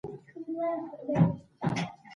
د سهار لس بجې د هرات په لور روان شولو.